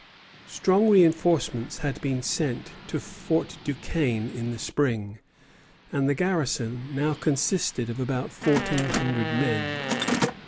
Strong reinforcements had been sent to Fort Duquesne in the spring, and the garrison now consisted of about fourteen hundred men.